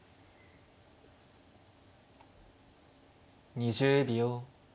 ２０秒。